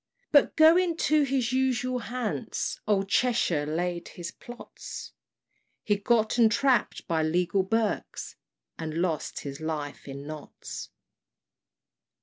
But going to his usual Hants, Old Cheshire laid his plots: He got entrapp'd by legal Berks, And lost his life in Notts.